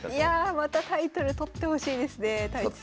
またタイトル取ってほしいですね太地先生。